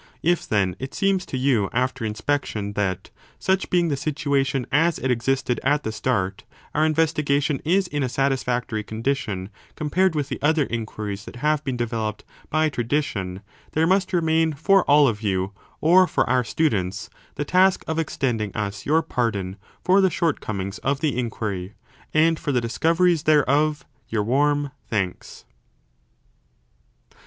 If, then, it seems to you after inspec tion that, such being the situation as it existed at the start, our investigation is in a satisfactory condition compared with the other inquiries that have been developed by tradi 5 tion, there must remain for all of you, or for our students, the task of extending us your pardon for the shortcomings of the inquiry, and for the discoveries thereof your warm thanks.